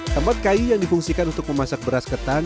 tempat kayu yang difungsikan untuk memasak beras ketan